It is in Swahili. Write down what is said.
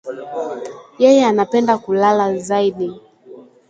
Yeye anapenda kulala zaidi.